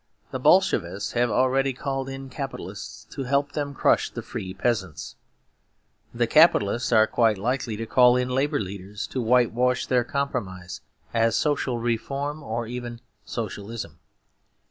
The Bolshevists have already called in Capitalists to help them to crush the free peasants. The Capitalists are quite likely to call in Labour Leaders to whitewash their compromise as social reform or even Socialism.